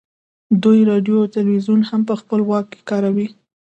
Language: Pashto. دوی راډیو او ټلویزیون هم په خپل واک کې کاروي